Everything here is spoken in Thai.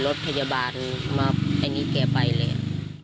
รถพยาบาลมาอันนี้แกไปเลย